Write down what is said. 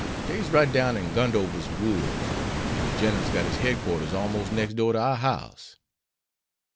"Dey's right down in Gundover's woods. An' de Gineral's got his headquarters almos' next door to our house."